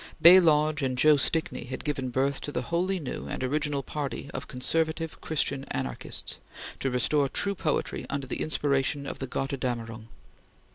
Bay Lodge and Joe Stickney had given birth to the wholly new and original party of Conservative Christian Anarchists, to restore true poetry under the inspiration of the "Gotterdammerung."